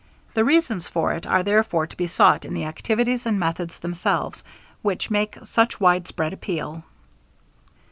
The reasons for it are therefore to be sought in the activities and methods themselves, which make such widespread appeal.